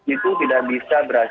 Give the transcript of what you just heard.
itu tidak bisa berhasil